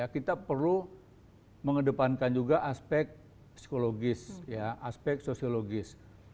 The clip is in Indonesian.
kita perlu mengedepankan juga aspek psikologis aspek sosiologis